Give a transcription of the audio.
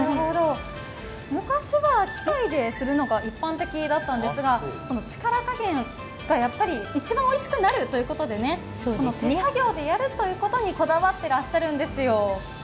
昔は機械でするのが一般的だったんですが力加減が一番おいしくなるということで、この手作業でやるということにこだわってらっしゃるんですよ。